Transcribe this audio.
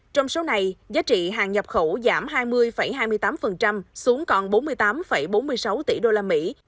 trong số này giá trị hàng nhập khẩu giảm hai mươi hai mươi tám xuống còn bốn mươi tám bốn mươi sáu tỷ đô la mỹ